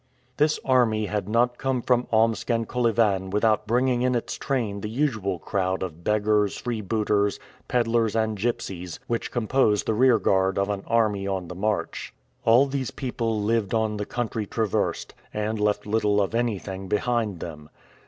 This army had not come from Omsk and Kolyvan without bringing in its train the usual crowd of beggars, freebooters, pedlars, and gypsies, which compose the rear guard of an army on the march. All these people lived on the country traversed, and left little of anything behind them.